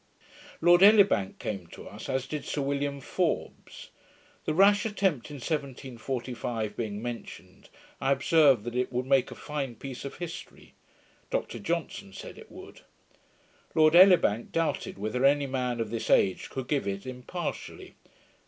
Lord Elibank came to us, as did Sir William Forbes. The rash attempt in 1745 being mentioned, I observed, that it would make a fine piece of history. Dr Johnson said it would. Lord Elibank doubted whether any man of this age could give it impartially.